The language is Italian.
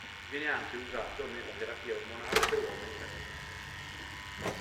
Viene anche usato nella terapia ormonale per uomini transgender.